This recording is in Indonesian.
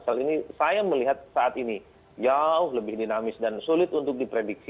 saya melihat saat ini jauh lebih dinamis dan sulit untuk dipredikasi